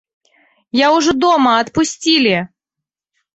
Я ўжо дома, адпусцілі!